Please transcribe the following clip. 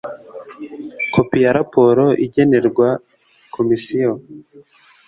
kopi ya raporo igenerwa komisiyo